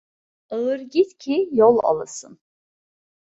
Ağır git ki yol alasın.